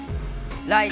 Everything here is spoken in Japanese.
ライ。